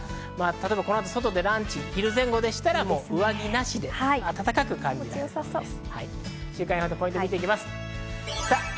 この後、外でランチ、上着なしで暖かく感じられそうです。